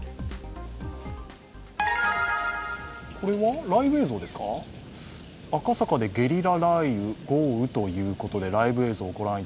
これはライブ映像ですか、赤坂でゲリラ豪雨ということです。